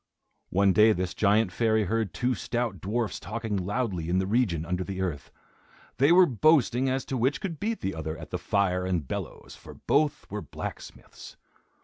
One day this giant fairy heard two stout dwarfs talking loudly in the region under the earth. They were boasting as to which could beat the other at the fire and bellows, for both were blacksmiths.